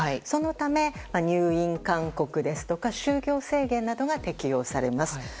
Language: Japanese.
そのため、入院勧告ですとか就業制限などが適用されます。